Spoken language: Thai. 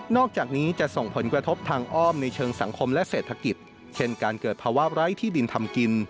อกจากนี้จะส่งผลกระทบทางอ้อมในเชิงสังคมและเศรษฐกิจเช่นการเกิดภาวะไร้ที่ดินทำกิน